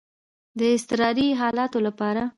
د اضطراري حالاتو لپاره.